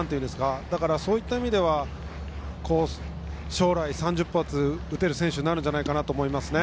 そういった意味では将来、３０発打てる選手になるんじゃないかなと思いますね。